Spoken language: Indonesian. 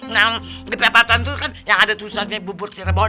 nah di perapatan itu kan yang ada tulisannya bubur cirebon